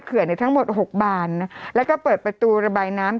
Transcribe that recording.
กรมป้องกันแล้วก็บรรเทาสาธารณภัยนะคะ